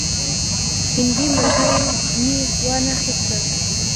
هندي ملګري مې وانه خیستل.